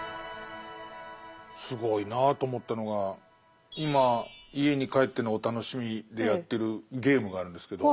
すごいなと思ったのが今家に帰ってのお楽しみでやってるゲームがあるんですけど。